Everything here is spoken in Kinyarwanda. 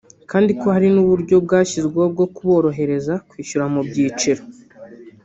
kandi ko hari n’uburyo bwashyizweho bwo kuborohereza kwishyura mu byiciro